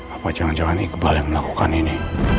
apa jangan jangan iqbal yang melakukan ini